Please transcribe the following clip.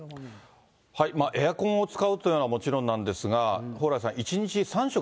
エアコンを使うというのはもちろんなんですが、蓬莱さん、１日３食